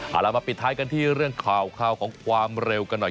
เอาล่ะมาปิดท้ายกันที่เรื่องข่าวของความเร็วกันหน่อย